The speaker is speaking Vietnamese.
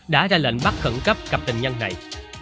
đã ra lệnh bắt khẩn cấp cặp tình nhân này